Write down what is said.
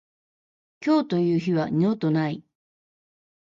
今日という日は二度とない。